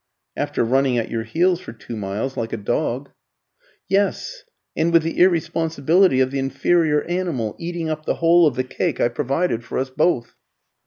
"After running at your heels for two miles, like a dog." "Yes and, with the irresponsibility of the inferior animal, eating up the whole of the cake I provided for us both."